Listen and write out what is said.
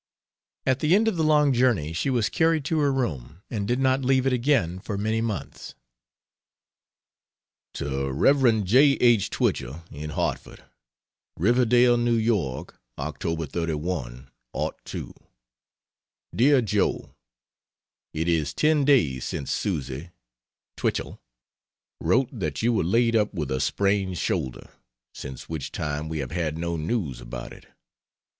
At the end of the long journey she was carried to her room and did not leave it again for many months. To Rev. J. H. Twichell, in Hartford: RIVERDALE, N. Y., Oct. 31, '02. DEAR JOE, It is ten days since Susy [Twichell] wrote that you were laid up with a sprained shoulder, since which time we have had no news about it.